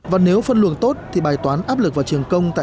và nếu phân luồng tốt thì bài toán áp lực vào trường công